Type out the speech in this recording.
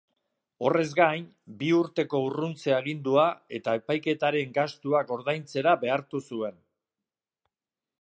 Horrez gain, bi urteko urruntze-agindua eta epaiketaren gastuak ordaintzera behartu zuen.